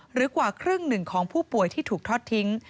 หรือกว่าครึ่งหนึ่งของผู้ป่วยที่ถูกทอดทิ้ง